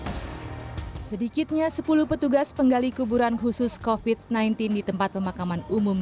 hai sedikitnya sepuluh petugas penggali kuburan khusus kofit sembilan belas di tempat pemakaman umum